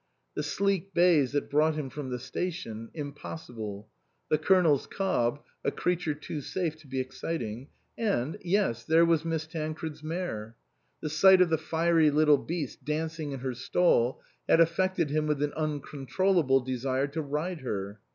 The sleek bays that brought him from the station impossible ; the Colonel's cob, a creature too safe to be excit ing ; and yes, there was Miss Tancred's mare. The sight of the fiery little beast dancing in her stall had affected him with an uncontrollable desire to ride her.